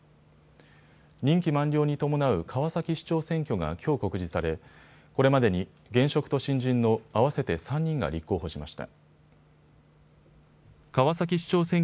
任期満了に伴う川崎市長選挙がきょう告示されこれまでに現職と新人の合わせて３人が立候補しました。